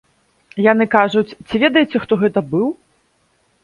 Яны кажуць, ці ведаеце, хто гэта быў?